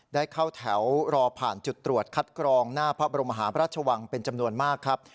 ได้เข้าแถวรอผ่านจุดตรวจคัดกรองหน้าพระบรมหาพระราชวังเป็นจำนวนมากครับ